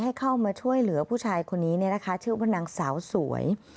ให้เข้ามาช่วยเหลือผู้ชายคนนี้ชื่อว่านางสาวสวย